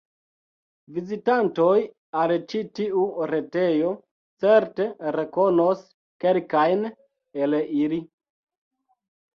Vizitantoj al ĉi tiu retejo certe rekonos kelkajn el ili.